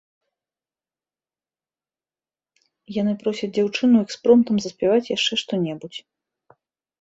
Яны просяць дзяўчыну экспромтам заспяваць яшчэ што-небудзь.